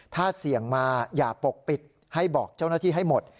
ถ้าเสี่ยงมาอย่าปกปิดให้บอกเจ้าหน้าที่ให้หมด